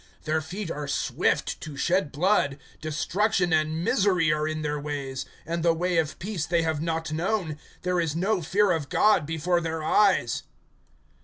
(15)Their feet are swift to shed blood. (16)Destruction and misery are in their ways; (17)and the way of peace they have not known. (18)There is no fear of God before their eyes.